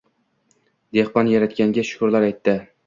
Dehqon Yaratganga shukrlar aytdi